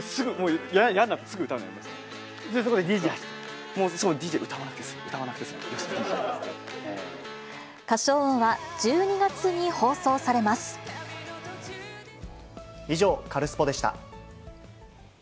そう、もうＤＪは歌わなくて歌唱王は１２月に放送されま以上、カルスポっ！でした。